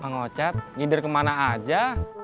mang ocat ngider kemana aja